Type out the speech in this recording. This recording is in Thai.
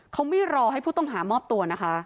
เขาไม่รอเพื่อให้ผู้ต้องหามอบตัว